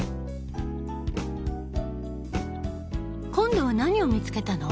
今度は何を見つけたの？